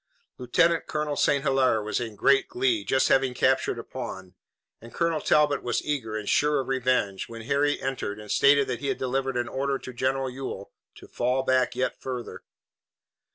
Lieutenant Colonel St. Hilaire was in great glee, just having captured a pawn, and Colonel Talbot was eager and sure of revenge, when Harry entered and stated that he had delivered an order to General Ewell to fall back yet farther.